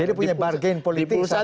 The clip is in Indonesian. jadi punya bargain politik sampai